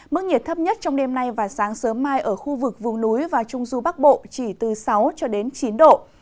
mức nhiệt thấp nhất trong đêm nay và sáng sớm mai ở khu vực vùng núi và trung du bắc bộ chỉ từ sáu cho đến chín độ